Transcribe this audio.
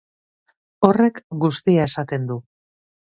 Horrek guztia estaen du.